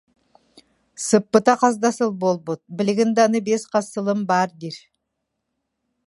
Сыппыта хас да сыл буолбут, билигин да аны биэс хас сылым баар диир